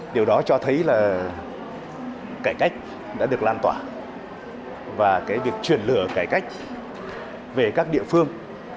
điều đó cho thấy là cải cách đã được lan tỏa và cái việc truyền lửa cải cách về các địa phương